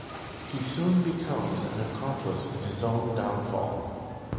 He soon becomes an accomplice in his own downfall.